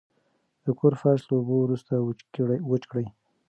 د کور فرش له اوبو وروسته وچ کړئ.